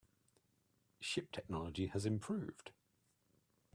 Ship technology has improved.